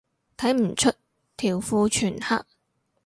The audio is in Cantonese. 睇唔出，條褲全黑